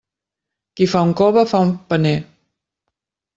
Qui fa un cove, fa un paner.